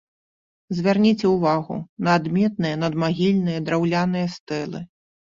Звярніце ўвагу на адметныя надмагільныя драўляныя стэлы.